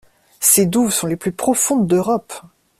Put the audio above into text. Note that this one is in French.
Ces douves sont les plus profondes d'Europe!